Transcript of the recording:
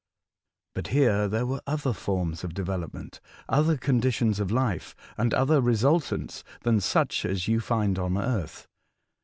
But here there were other forms of development, other conditions of life, and other resultants than such as you find on earth.